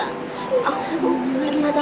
aku kangen sama bunda